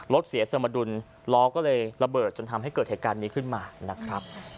รถเสียสมดุลล้อก็เลยระเบิดจนทำให้เกิดเหตุการณ์นี้ขึ้นมานะครับ